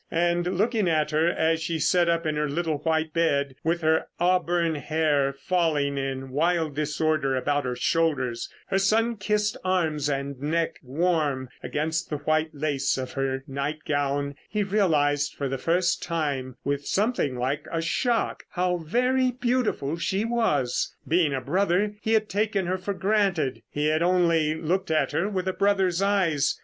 And, looking at her, as she sat up in her little white bed, with her auburn hair falling in wild disorder about her shoulders, her sun kissed arms and neck warm against the white lace of her nightgown, he realised for the first time with something like a shock how very beautiful she was. Being a brother he had taken her for granted. He had only looked at her with a brother's eyes.